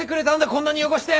こんなに汚して！